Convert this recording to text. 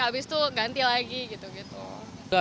habis itu ganti lagi gitu gitu